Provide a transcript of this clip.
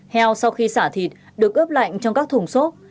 heo sau khi xả thịt được ướp lạnh trong các thùng xốp